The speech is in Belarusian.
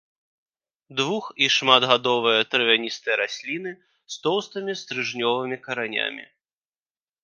Двух- і шматгадовыя травяністыя расліны з тоўстымі стрыжнёвымі каранямі.